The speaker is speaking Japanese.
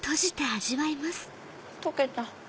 溶けた！